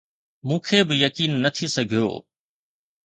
مون کي به يقين نه ٿي سگهيو